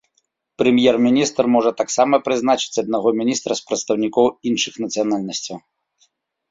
Прэм'ер-міністр можа таксама прызначыць аднаго міністра з прадстаўнікоў іншых нацыянальнасцяў.